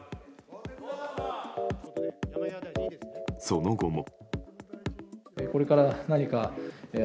その後も。